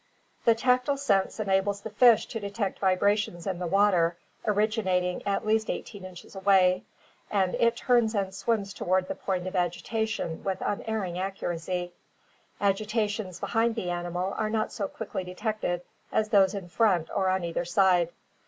The tactile sense enables the fish to detect vibrations in the water originating at least 18 inches away, and it turns and swims toward the point of agitation with unerring accuracy. Agitations behind the animal are not so quickly detected as those in front or on either side.